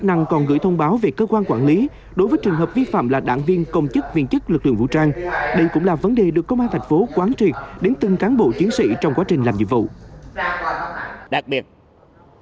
đặc biệt đặc biệt là đặc biệt là đặc biệt là đặc biệt là đặc biệt là đặc biệt là đặc biệt là đặc biệt là đặc biệt là đặc biệt là đặc biệt là